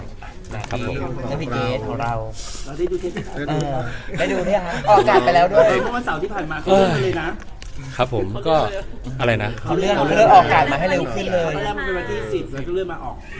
เมื่อเขาเริ่มเอากากมาให้เร็วขึ้นเลย